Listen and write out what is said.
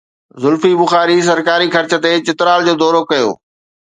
زلفي بخاري سرڪاري خرچ تي چترال جو دورو ڪيو